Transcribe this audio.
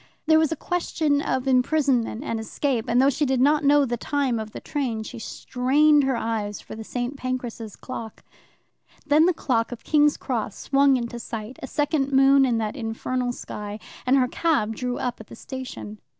There was a question of imprisonment and escape, and though she did not know the time of the train, she strained her eyes for the St. Pancras' clock. Then the clock of King's Cross swung into sight, a second moon in that infernal sky, and her cab drew up at the station.